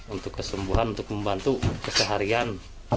untuk kesembuhan untuk membantu keseharian